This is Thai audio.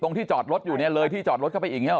ที่จอดรถอยู่เนี่ยเลยที่จอดรถเข้าไปอย่างนี้ห